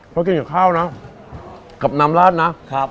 พอกินกับข้าวนะกับน้ำลาดนะครับ